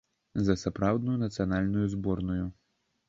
За сапраўдную нацыянальную зборную.